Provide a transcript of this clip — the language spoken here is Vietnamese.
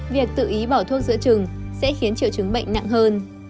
việc tự ý bỏ thuốc giữa trừng sẽ khiến triệu chứng bệnh nặng hơn